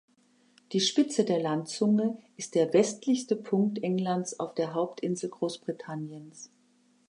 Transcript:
Die Spitze der Landzunge ist der westlichste Punkt Englands auf der Hauptinsel Großbritanniens.